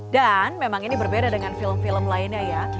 dan memang ini berbeda dengan film film lainnya ya